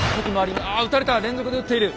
まあ撃たれた連続で撃っている。